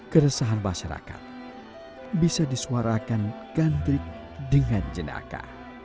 keresahan masyarakat bisa disuarakan gandrik dengan jenaka